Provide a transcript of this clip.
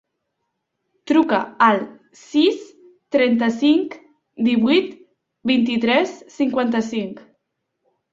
Truca al sis, trenta-cinc, divuit, vint-i-tres, cinquanta-cinc.